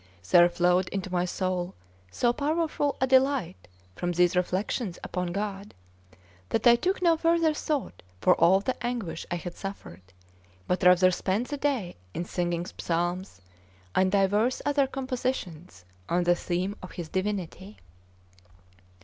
There flowed into my soul so powerful a delight from these reflections upon God, that I took no further thought for all the anguish I had suffered, but rather spent the day in singing psalms and divers other compositions on the theme of His divinity.